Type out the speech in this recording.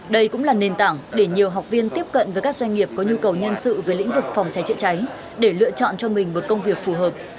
đây cũng là nền tảng để nhiều học viên tiếp cận với các doanh nghiệp có nhu cầu nhân sự về lĩnh vực phòng cháy chữa cháy để lựa chọn cho mình một công việc phù hợp